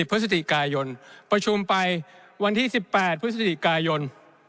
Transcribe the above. พฤศจิกายนประชุมไปวันที่๑๘พฤศจิกายน